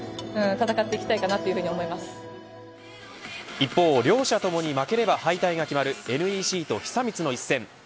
一方、両者ともに負ければ敗退が決まるＮＥＣと久光の一戦。